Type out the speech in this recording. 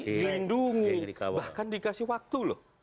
dilindungi bahkan dikasih waktu loh